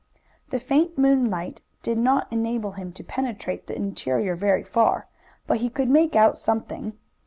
The faint moonlight did not enable him to penetrate the interior very far, but he could make out something.